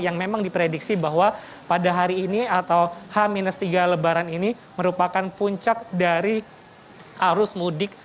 yang memang diprediksi bahwa pada hari ini atau h tiga lebaran ini merupakan puncak dari arus mudik